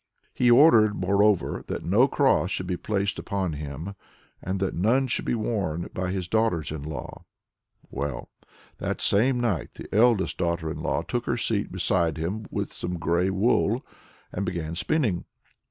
He ordered, moreover, that no cross should be placed upon him, and that none should be worn by his daughters in law. Well, that same night the eldest daughter in law took her seat beside him with some grey wool, and began spinning.